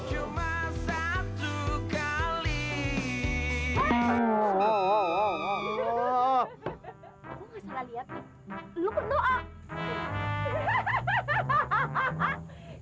cuma satu kali